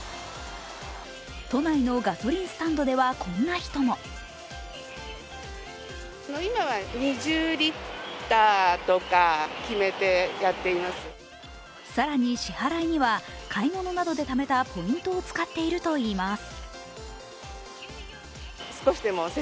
都内のガソリンスタンドでは、こんな人も更に支払いには買い物などでためたポイントを使っているといいます。